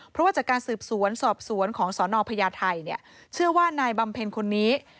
เพราะว่าจากการสืบสวนสอบสวนของสนพญาไทยเนี่ยเชื่อว่านายบำเพ็ญคนนี้